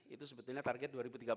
itu sebetulnya target dua ribu tiga puluh